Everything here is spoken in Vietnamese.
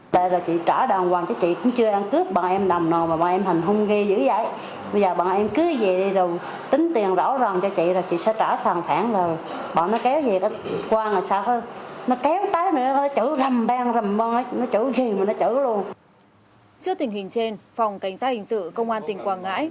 trước tình hình trên phòng cảnh sát hình sự công an tỉnh quảng ngãi